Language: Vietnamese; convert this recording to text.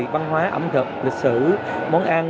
văn hóa ẩm thực lịch sử món ăn